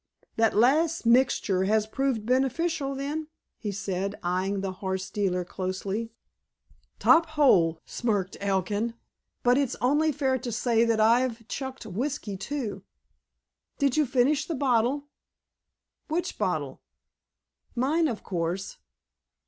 "That last mixture has proved beneficial, then?" he said, eying the horse dealer closely. "Top hole," smirked Elkin. "But it's only fair to say that I've chucked whiskey, too." "Did you finish the bottle?" "Which bottle?" "Mine, of course."